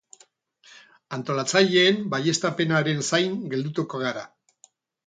Antolatzaileen baieztapenaren zain geldituko gara.